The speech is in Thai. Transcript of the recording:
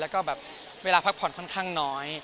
แล้วก็แบบเวลาพักผ่อนค่อนข้างน้อย